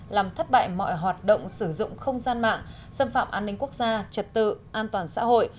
làm thất bại mọi hoạt động sử dụng không gian mạng xâm phạm an ninh quốc gia trật tự an toàn xã hội